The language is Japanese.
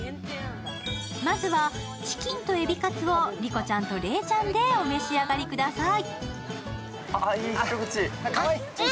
まずはチキンと海老カツを莉子ちゃんと礼ちゃんでお召し上がりください。